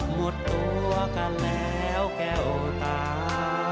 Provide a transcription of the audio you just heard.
หมดตัวกันแล้วแก้วตา